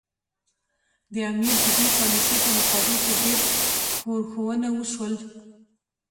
د امیر د دې پالیسي په مقابل کې ډېر ښورښونه وشول.